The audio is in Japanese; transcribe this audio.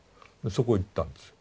そこへ行ったんです。